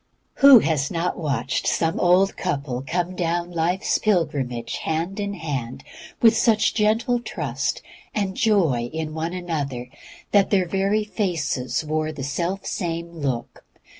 Who has not watched some old couple come down life's pilgrimage hand in hand, with such gentle trust and joy in one another that their very faces wore the self same look?